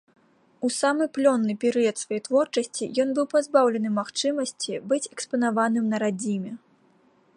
У самы плённы перыяд сваёй творчасці ён быў пазбаўлены магчымасці быць экспанаваным на радзіме.